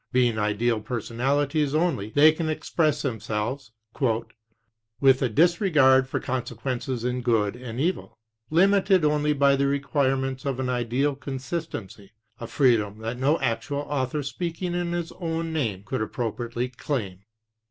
Being ideal personalities only, they can express themselves "with a disregard for consequences in good and evil limited only by the requirements of an ideal consistency, a freedom that no actual author speaking in his own name could appropriately claim."